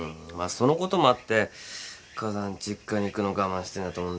そのこともあって母さん実家に行くの我慢してんだと思うんだよね。